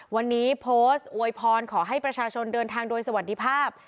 วันนี้โพสต์อวยพรขอให้ประชาชนเดินทางโดยสวัสดีภาพ